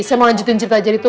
saya mau lanjutin cerita jadi tuh